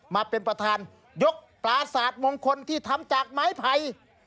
มาเป็นประธานยกปราศาสตร์มงคลที่ทำจากไม้ไผ่